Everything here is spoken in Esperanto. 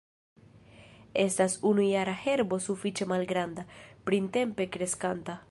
Estas unujara herbo sufiĉe malgranda, printempe kreskanta.